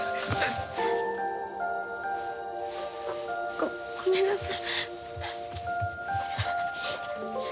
あっごごめんなさい。